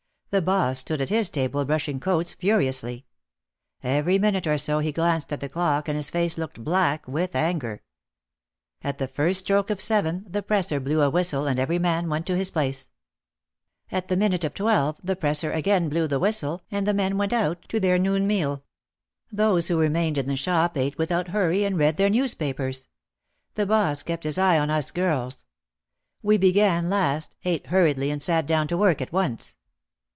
The boss stood at his table brushing coats furiously. Every minute or so he glanced at the clock and his face looked black with anger. At the first stroke of seven the presser blew a whistle and every man went to his place. At the minute of twelve the presser again blew the whistle and the men went out 124 OUT OF THE SHADOW to their noon meal. Those who remained in the shop ate without hurry and read their newspapers. The boss kept his eye on us girls. We began last, ate hurriedly and sat down to work at once.